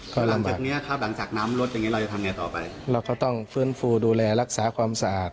ก็ลำบากเราก็ต้องฟื้นฟูดูแลรักษาความสะอาด